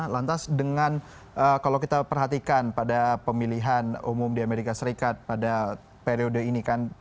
lantas dengan kalau kita perhatikan pada pemilihan umum di amerika serikat pada periode ini kan